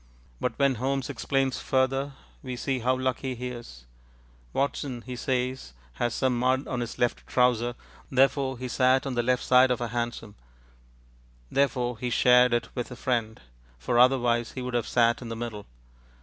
But when Holmes explains further, we see how lucky he is. Watson, he says, has some mud on his left trouser; therefore he sat on the left side of a hansom; therefore he shared it with a friend, for otherwise he would have sat in the middle.